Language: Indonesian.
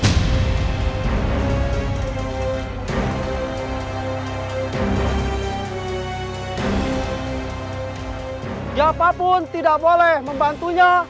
tiapapun tidak boleh membantunya